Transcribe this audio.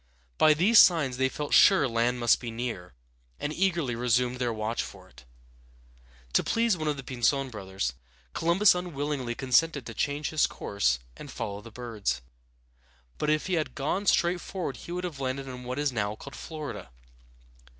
By these signs they felt sure land must be near, and eagerly resumed their watch for it. To please one of the Pinzon brothers, Columbus unwillingly consented to change his course and follow the birds; but if he had gone straight on he would have landed in what is now called Flor´i da.